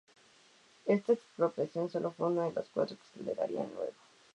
Ésta expropiación solo fue una de las cuatro que se darían luego.